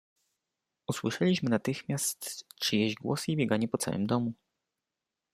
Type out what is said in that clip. "Usłyszeliśmy natychmiast czyjeś głosy i bieganie po całym domu."